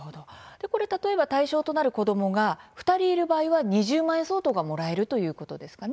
例えば対象となる子どもが２人いる場合は２０万円相当がもらえるということですね。